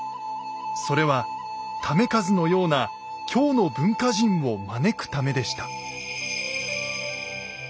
それは為和のような京の文化人を招くためでした。